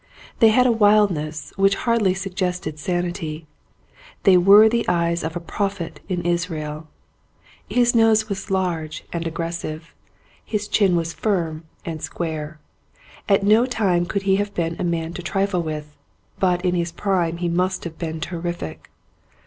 They had a wildness which hardly sug gested sanity. They were the eyes of a prophet in Israel. His nose was large and aggressive, his ON A CHINESE SCEEEN chin was firm and square. At no time could he have been a man to trifle with, but in his prime he must have been terrific.